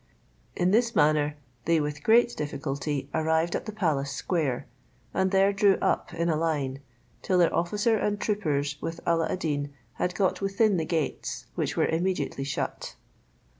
In this manner they with much difficulty arrived at the palace square, and there drew up in a line, till their officer and troopers with Alla ad Deen had got within the gates, which were immediately shut.